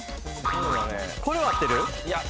これは合ってる？